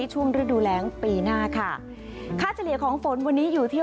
ช่วงฤดูแรงปีหน้าค่ะค่าเฉลี่ยของฝนวันนี้อยู่ที่